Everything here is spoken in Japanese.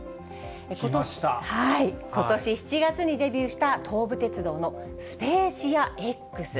ことし７月にデビューした東武鉄道のスペーシアＸ。